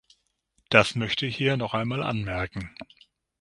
Das möchte ich hier noch einmal anmerken.